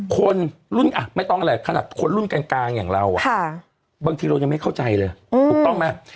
คนรุ่นอ่ะไม่ต้องอะไรขนาดคนรุ่นกลางอย่างเราบางทีเรายังไม่เข้าใจเลยถูกต้องไหม